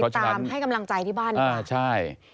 ติดตามให้กำลังใจที่บ้าน